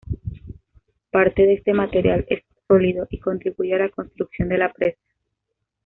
Parte de este material es sólido, y contribuye a la construcción de la presa.